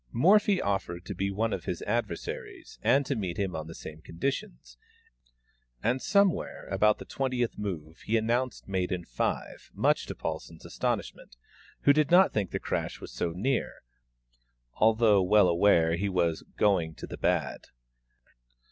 Morphy offered to be one of his adversaries, and to meet him on the same conditions; and somewhere about the twentieth move he announced mate in five, much to Paulsen's astonishment, who did not think the crash was so near, although well aware he was "going to the bad."